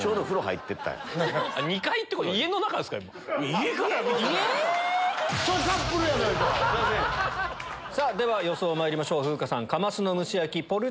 家から見てたの⁉では予想まいりましょう風花さん。